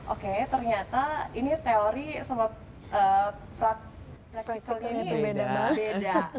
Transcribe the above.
oke ternyata ini teori sama praktikalnya ini beda beda